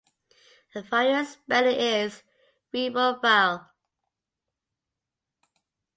A variant spelling is "Rural Vale".